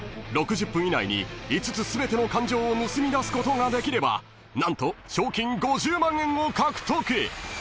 ［６０分以内に５つ全ての感情を盗み出すことができれば何と賞金５０万円を獲得］